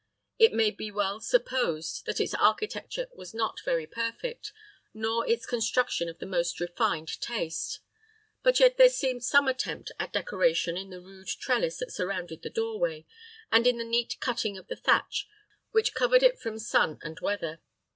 It may be well supposed that its architecture was not very perfect, nor its construction of the most refined taste; but yet there seemed some attempt at decoration in the rude trellis that surrounded the doorway, and in the neat cutting of the thatch which covered it from the and weather.